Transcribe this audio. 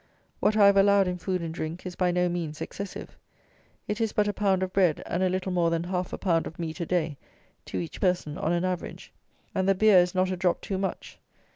What I have allowed in food and drink is by no means excessive. It is but a pound of bread, and a little more than half a pound of meat a day to each person on an average; and the beer is not a drop too much.